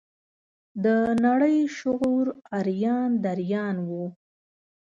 د نړۍ شعور اریان دریان و.